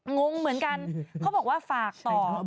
งงเหมือนกันเขาบอกว่าฝากต่อ